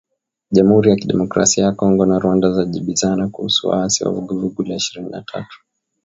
Jamuhuri ya Kidemokrasia ya Kongo na Rwanda zajibizana kuhusu waasi wa Vuguvugu la Ishirini na tatu